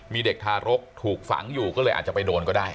มีเด็กทารกถูกฝังอยู่ก็เลยอาจจะไปโดนก็ได้